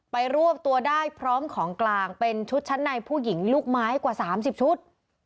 รวบตัวได้พร้อมของกลางเป็นชุดชั้นในผู้หญิงลูกไม้กว่า๓๐ชุด